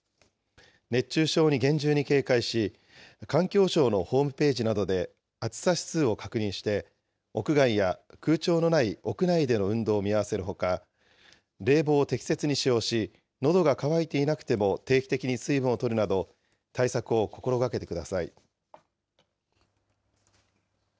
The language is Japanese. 熱中症に厳重に警戒し、環境省のホームページなどで暑さ指数を確認して、屋外や空調のない屋内での運動を見合わせるほか、冷房を適切に使用し、のどが渇いていなくても定期的に水分をとるなど、対策を心がけてください。